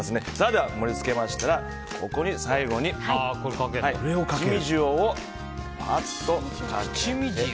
では盛り付けましたらここに最後に、一味塩を。